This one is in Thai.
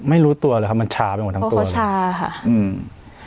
ไม่รู้ตัวเลยครับมันชาไปหมดทั้งตัวเลยใช่ค่ะอืม